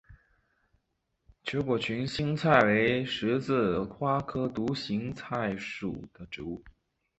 球果群心菜为十字花科独行菜属的植物。